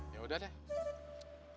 ya udah deh